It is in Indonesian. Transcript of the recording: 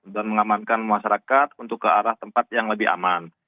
dan mengamankan masyarakat untuk ke arah tempat yang lebih aman